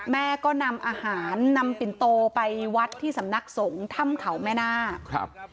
แม่ก็นำอาหารนำปินโตไปวัดที่สำนักสงฆ์ถ้ำเขาแม่นาคครับ